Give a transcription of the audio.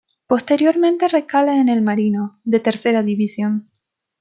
Posteriormente recala en el Marino, de Tercera División.